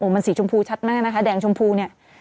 มันสีชมพูชัดมากนะคะแดงชมพูเนี่ย